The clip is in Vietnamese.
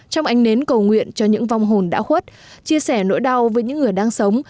trong ánh nến cầu nguyện cho những vong hồn đã khuất chia sẻ nỗi đau với những người đang sống